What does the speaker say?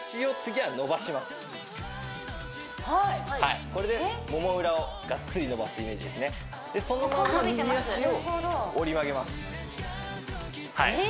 はいはいこれでもも裏をガッツリ伸ばすイメージですねでそのまんま右足を折り曲げますへえ！